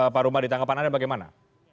pak rumah ditanggapan anda bagaimana